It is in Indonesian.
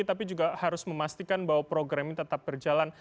tapi juga harus memastikan bahwa program ini tetap berjalan